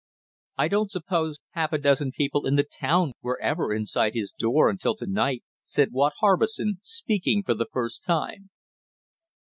"I don't suppose half a dozen people in the town were ever inside his door until to night," said Watt Harbison, speaking for the first time.